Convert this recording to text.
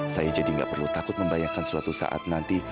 saya jadi gak perlu takut membayangkan suatu saat nanti